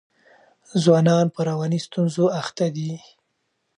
ځوانان په رواني ستونزو اخته دي.